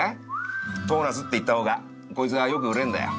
唐茄子って言った方がこいつがよく売れんだよ。